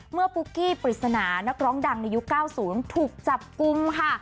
ปุ๊กกี้ปริศนานักร้องดังในยุค๙๐ถูกจับกุมค่ะ